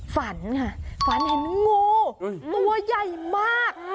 ฝันเห็นงูตัวใหญ่มาก